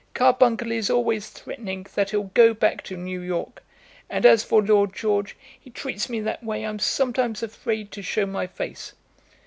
Carbuncle is always threatening that he'll go back to New York, and as for Lord George, he treats me that way I'm sometimes afraid to show my face."